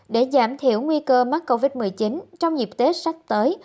để giảm thiểu nguy cơ mắc covid một mươi chín trong dịp tết sắp tới